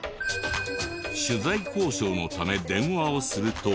取材交渉のため電話をすると。